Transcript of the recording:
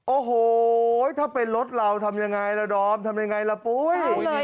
โอ้โหถ้าเป็นรถเราทำยังไงล่ะดอมทำยังไงล่ะปุ้ย